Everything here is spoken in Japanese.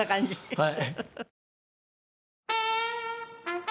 はい。